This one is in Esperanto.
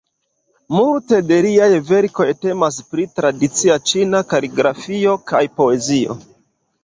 Multe de liaj verkoj temas pri tradicia ĉina kaligrafio kaj poezio.